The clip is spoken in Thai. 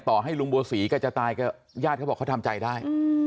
ให้ลุงบัวศรีแกจะตายแกญาติเขาบอกเขาทำใจได้